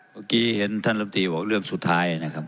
เมื่อกี้เห็นท่านลำตีบอกเรื่องสุดท้ายนะครับ